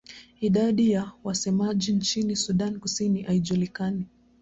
Idadi ya wasemaji nchini Sudan Kusini haijulikani.